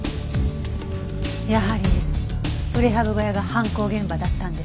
やはりプレハブ小屋が犯行現場だったんですね。